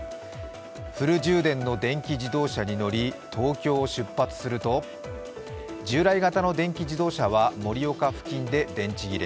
フル充電の電気自動車に乗り東京を出発すると従来型の電気自動車は盛岡付近で電池切れ